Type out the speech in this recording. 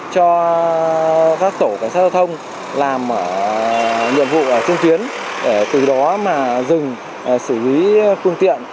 cho các tổ cảnh sát giao thông làm nhiệm vụ ở trung tuyến từ đó mà dừng xử lý phương tiện